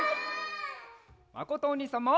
まことおにいさんも！